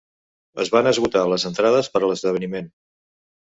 Es van esgotar les entrades per a l'esdeveniment.